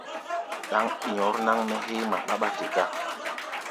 Ɗáŋ ɓi̧ɔ̧r náŋ-mɛ́ héé ŋma ɓáɓá te gá.